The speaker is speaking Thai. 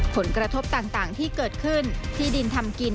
ผลกระทบต่างที่เกิดขึ้นที่ดินทำกิน